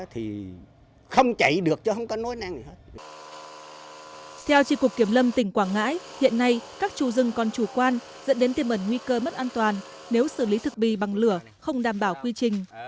theo tri cục kiểm lâm tỉnh quảng ngãi hiện nay các trù rừng còn chủ quan dẫn đến tiềm ẩn nguy cơ mất an toàn nếu xử lý thực bì bằng lửa không đảm bảo quy trình